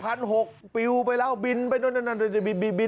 โอ้โฮ๘๖๐๐บิ้วไปแล้วบินไปนั่นบินไปกับรถกระปะ